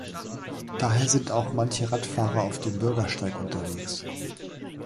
Daher sind auch manche Radfahrer auf dem Bürgersteig unterwegs.